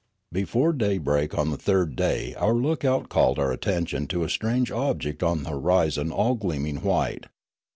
Before daybreak on the third day our lookout called our attention to a strange object on the horizon all gleaming white.